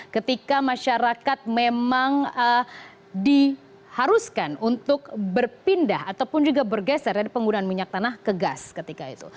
ketika masyarakat memang diharuskan untuk berpindah ataupun juga bergeser dari penggunaan minyak tanah ke gas ketika itu